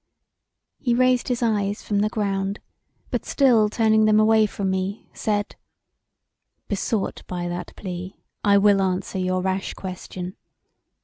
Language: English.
He raised his eyes from the ground, but still turning them away from me, said: "Besought by that plea I will answer your rash question.